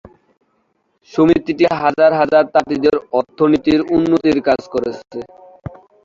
সমিতিটি হাজার হাজার তাঁতিদের অর্থনীতির উন্নতি করেছে।